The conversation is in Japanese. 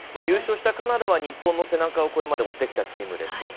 優勝したカナダは日本の背中をこれまで追ってきたチームです。